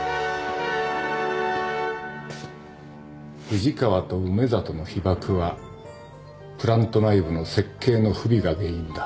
藤川と梅里の被ばくはプラント内部の設計の不備が原因だ。